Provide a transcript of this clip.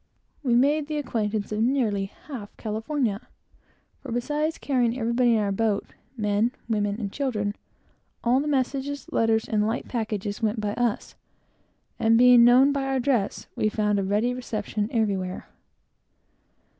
We made the acquaintance of nearly half of California; for, besides carrying everybody in our boat, men, women, and children, all the messages, letters, and light packages went by us, and being known by our dress, we found a ready reception everywhere.